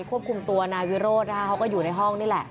ควบคุมตัวนายวิโรธนะคะเขาก็อยู่ในห้องนี่แหละ